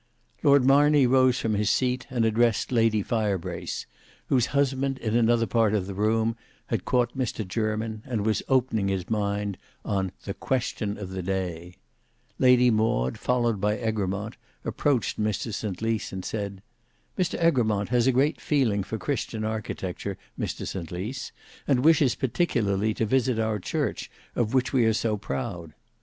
Lord Marney rose from his seat and addressed Lady Firebrace, whose husband in another part of the room had caught Mr Jermyn, and was opening his mind on "the question of the day;" Lady Maud, followed by Egremont, approached Mr St Lys, and said, "Mr Egremont has a great feeling for Christian architecture, Mr St Lys, and wishes particularly to visit our church of which we are so proud."